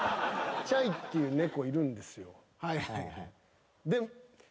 っていう猫いるんですよ。